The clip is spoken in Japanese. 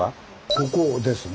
ここですね。